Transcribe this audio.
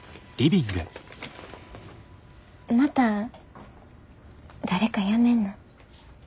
また誰か辞めんの？